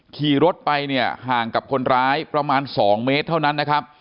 ขี่รถไปห่างกับคนร้ายประมาณ๒เมตรเท่านั้น